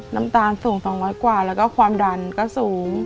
น้ำตาลสูง๒๐๐กว่าแล้วก็ความดันก็สูง